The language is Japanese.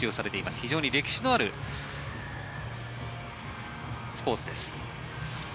非常に歴史のあるスポーツです。